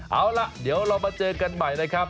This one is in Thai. เอาล่ะเดี๋ยวเรามาเจอกันใหม่นะครับ